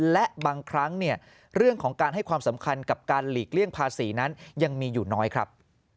และบางครั้งเนี่ยเรื่องของการให้ความสำคัญกับการหลีกเลี่ยงภาษีนั้นยังมีอยู่น้อยครับ